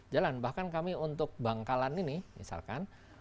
jalan bahkan kami untuk bangkalan ini misalkan